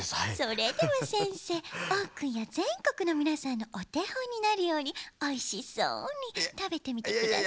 それではせんせいＯくんやぜんこくのみなさんのおてほんになるようにおいしそうにたべてみてください。